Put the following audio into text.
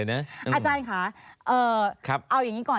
อาจารย์ค่ะเอาอย่างนี้ก่อน